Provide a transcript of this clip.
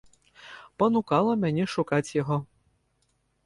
Панукала мяне шукаць яго.